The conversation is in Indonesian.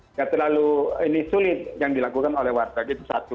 tidak terlalu sulit yang dilakukan oleh warteg